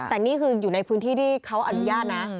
แต่นี่คืออยู่ในพื้นที่ที่เขาอนุญาตนะ